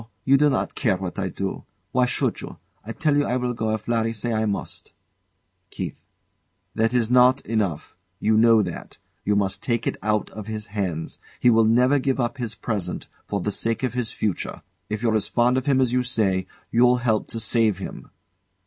No; you do not care what I do. Why should you? I tell you I will go if Larry say I must. KEITH. That's not enough. You know that. You must take it out of his hands. He will never give up his present for the sake of his future. If you're as fond of him as you say, you'll help to save him.